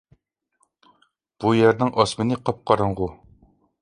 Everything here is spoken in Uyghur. بۇ يەرنىڭ ئاسمىنى قاپقاراڭغۇ.